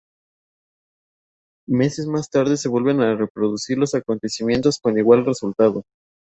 Meses más tarde se vuelven a reproducir los acontecimientos con igual resultado.